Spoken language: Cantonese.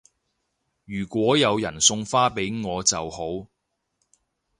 如果有人送花俾我就好